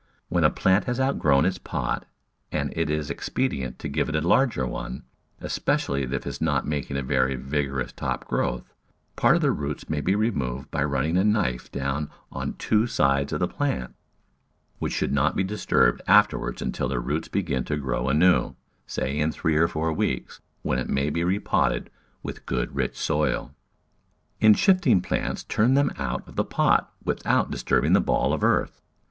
When a plant has out grown its pot and it is inexpedient to give it a larger one— especially if it is not making a very vigorous top growth, part of the roots may be removed by run ning a knife down on two sides of the plant, which should not be disturbed afterward until the roots begin to grow anew, say, in three or four weeks, when it may be repotted with good rich soil. In shifting plants turn them out of the pot with out disturbing the ball of earth.